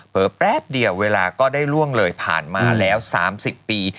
แป๊บเดียวเวลาก็ได้ล่วงเลยผ่านมาแล้ว๓๐ปี